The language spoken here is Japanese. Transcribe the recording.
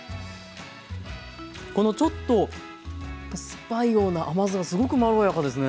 このちょっと酸っぱいような甘酢がすごくまろやかですね。